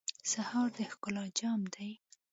سهار د ښکلا جام دی.